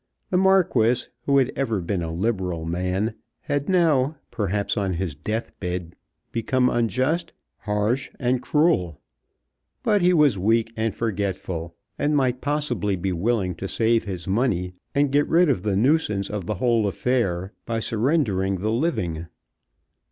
The Marquis, who had ever been a liberal man, had now, perhaps on his death bed, become unjust, harsh, and cruel. But he was weak and forgetful, and might possibly be willing to save his money and get rid of the nuisance of the whole affair by surrendering the living.